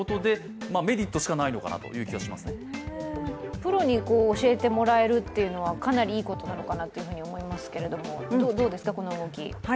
プロに教えてもらえるのはかなりいいことかなと思いますけど、どうですか、この動き。